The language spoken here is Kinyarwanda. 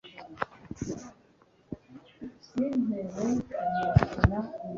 reka mbanze nkubwire ko nanjye